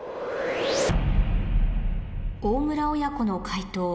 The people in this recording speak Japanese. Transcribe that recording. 大村親子の解答